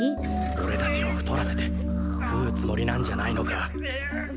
おれたちをふとらせてくうつもりなんじゃないのか？